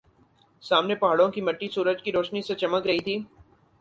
سامنے پہاڑوں کی مٹی سورج کی روشنی سے چمک رہی تھی